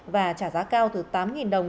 và trả giá cao từ tám đồng